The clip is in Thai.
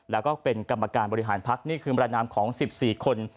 แล้วก็เป็นกรรมการบริหารพักนี่คือบรรนามของ๑๔คน